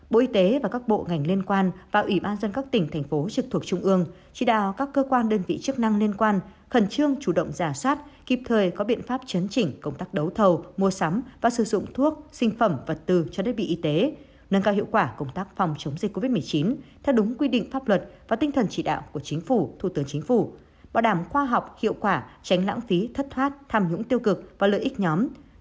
bộ y tế và các bộ ngành liên quan vào ủy ban dân các tỉnh thành phố trực thuộc trung ương chỉ đạo các cơ quan đơn vị chức năng liên quan khẩn trương chủ động giả sát kịp thời có biện pháp chấn chỉnh công tác đấu thầu mua sắm và sử dụng thuốc sinh phẩm vật tư cho đất bị y tế nâng cao hiệu quả công tác phòng chống dịch covid một mươi chín theo đúng quy định pháp luật và tinh thần chỉ đạo của chính phủ thủ tướng chính phủ bảo đảm khoa học hiệu quả tránh lãng phí thất thoát tham nhũng tiêu cực và lợi ích nhóm